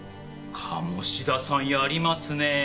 鴨志田さんやりますね。